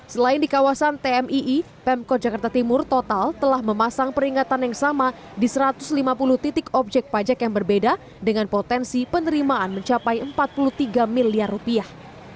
selain di kawasan tmii pemkot jakarta timur total telah memasang peringatan yang sama di satu ratus lima puluh titik objek pajak yang berbeda dengan potensi penerimaan mencapai empat puluh tiga miliar rupiah